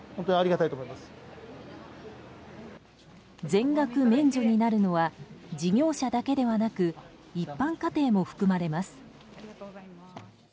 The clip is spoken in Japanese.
全額免除になるのは事業者だけではなく一般家庭も含まれます。